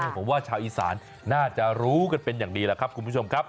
ผมว่าชาวอีสานน่าจะรู้กันเป็นอย่างดีแหละครับคุณผู้ชมครับ